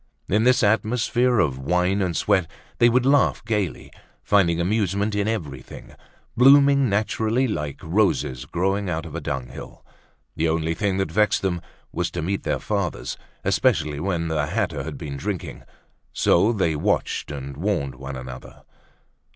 In this atmosphere of wine and sweat they would laugh gaily, finding amusement in everything, blooming naturally like roses growing out of a dunghill. The only thing that vexed them was to meet their fathers, especially when the latter had been drinking. So they watched and warned one another.